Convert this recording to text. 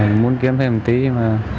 em muốn kiếm thêm một tí mà